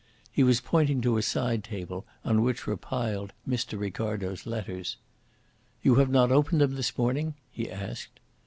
He was pointing to a side table on which were piled Mr. Ricardo's letters. "You have not opened them this morning?" he asked.